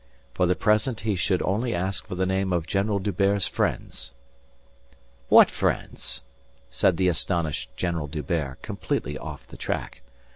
For the present he should only ask for the name of General D'Hubert's friends. "What friends?" said the astonished General D'Hubert, completely off the track.